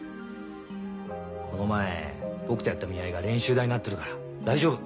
この前僕とやった見合いが練習台になってるから大丈夫！